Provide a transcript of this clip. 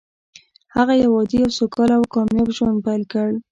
هغه يو عادي او سوکاله او کامياب ژوند پيل کړ.